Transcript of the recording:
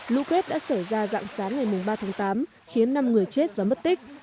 lũ quét đã xảy ra dạng sáng ngày ba tháng tám khiến năm người chết và mất tích